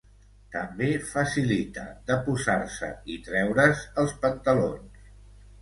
També facilita de posar-se i treure's els pantalons.